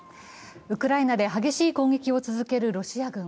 ウクライナでは激しい攻撃を続けるロシア軍。